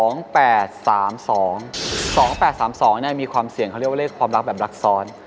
๒๘๓๒มีความเสี่ยงเขาเรียกว่าเลขความรักแบบรักซ้อน